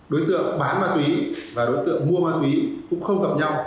đối tượng bán ma túy và đối tượng mua ma túy cũng không gặp nhau